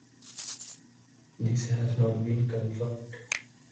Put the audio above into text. This has not been confirmed.